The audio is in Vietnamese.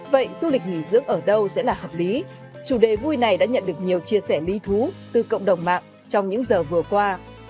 vậy du lịch nghỉ dưỡng ở đâu sẽ là hợp lý chủ đề vui này đã nhận được nhiều chia sẻ ly thú từ cộng đồng mạng trong những giờ vừa qua